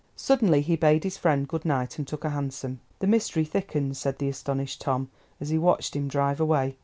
Suddenly he bade his friend good night, and took a hansom. "The mystery thickens," said the astonished "Tom," as he watched him drive away.